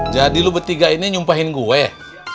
jadi lu bertiga ini nyumpahin gua ya